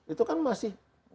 itu kan masih